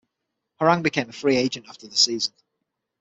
Harang became a free agent after the season.